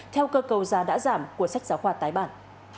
theo cơ cầu giá đã giảm của sách giáo khoa tái bản